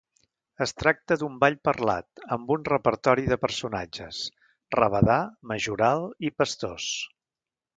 Es tracta d'un ball parlat, amb un repertori de personatges: rabadà, majoral i pastors.